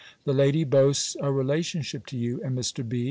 The lady boasts a relationship to you, and Mr. B.